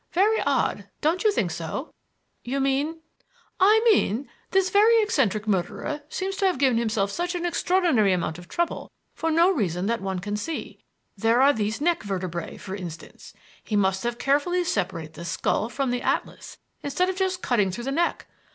Very odd. Don't you think so?" "You mean " "I mean that this very eccentric murderer seems to have given himself such an extraordinary amount of trouble for no reason that one can see. There are these neck vertebrae, for instance. He must have carefully separated the skull from the atlas instead of just cutting through the neck.